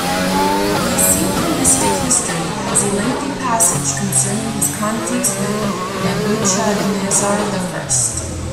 The "Synchronistic History" has a lengthy passage concerning his conflicts with Nebuchadnezzar the First.